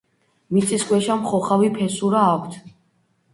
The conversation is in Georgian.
მიწისქვეშა მხოხავი ფესურა აქვთ.